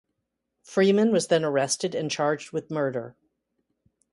Freeman was then arrested and charged with murder.